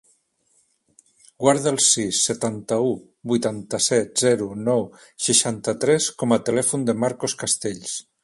Guarda el sis, setanta-u, vuitanta-set, zero, nou, seixanta-tres com a telèfon del Marcos Castells.